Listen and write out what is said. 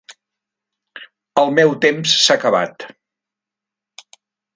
El meu temps s'ha acabat.